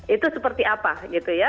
itu seperti apa gitu ya